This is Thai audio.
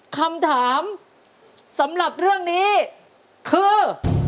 คำถามสำหรับเรื่องนี้คือ